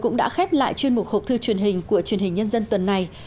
chúng tôi đã khép lại chuyên mục hộp thư truyền hình của truyền hình nhân dân tuần này